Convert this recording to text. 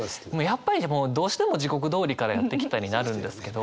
やっぱりでもどうしても「地獄通りからやって来た」になるんですけど。